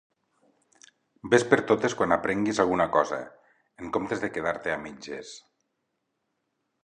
Ves per totes quan aprenguis alguna cosa, en comptes de quedar-te a mitges.